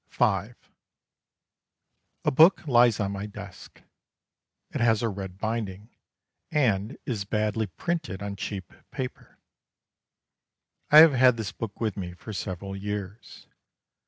V A book lies on my desk. It has a red binding and is badly printed on cheap paper. I have had this book with me for several years.